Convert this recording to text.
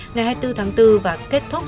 ngày hai mươi bốn tháng bốn và kết thúc